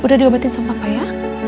udah diobatin sama pak ya